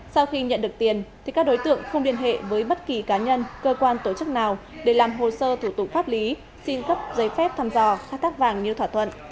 sau khi nhận được tiền các đối tượng không liên hệ với bất kỳ cá nhân cơ quan tổ chức nào để làm hồ sơ thủ tục pháp lý xin cấp giấy phép thăm dò khai thác vàng như thỏa thuận